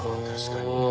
確かに。